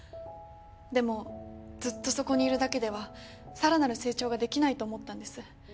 でもずっとそこにいるだけでは更なる成長ができないと思ったんです。